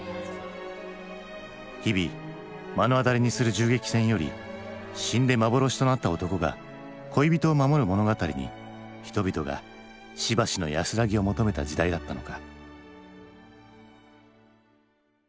日々目の当たりにする銃撃戦より死んで幻となった男が恋人を守る物語に人々がしばしの安らぎを求めた時代だったのか。